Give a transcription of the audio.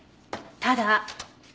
ただ。